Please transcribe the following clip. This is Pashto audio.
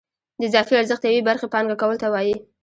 د اضافي ارزښت یوې برخې پانګه کولو ته وایي